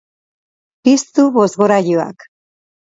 Piztu bozgorailuak.